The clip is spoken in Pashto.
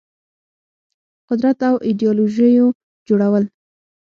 قدرت او ایدیالوژيو جوړول